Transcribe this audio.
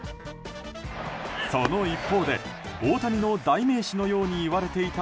その一方で大谷の代名詞のように言われていた